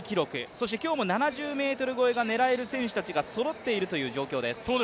そして今日も７０ｍ超えが狙える選手たちがそろっているという状況です。